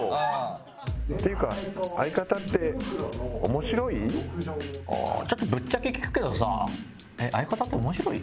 「っていうかちょっとぶっちゃけ聞くけどさああー！